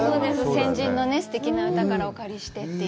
先人のすてきな歌からお借りしてという。